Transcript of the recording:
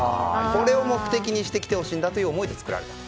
これを目的にしてきてほしいんだという思いで作られたと。